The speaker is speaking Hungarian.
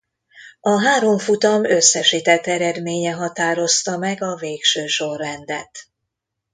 A három futam összesített eredménye határozta meg a végső sorrendet.